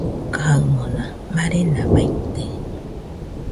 Kaɨmona marena baite